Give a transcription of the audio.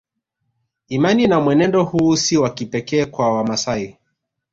Imani na mwenendo huu si wa kipekee kwa Wamasai